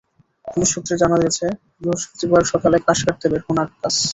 Police সূত্রে জানা গেছে, বৃহস্পতিবার সকালে ঘাস কাটতে বের হন আক্কাছ।